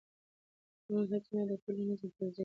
د قانون حاکمیت د ټولنې نظم تضمینوي